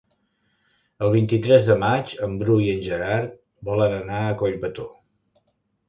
El vint-i-tres de maig en Bru i en Gerard volen anar a Collbató.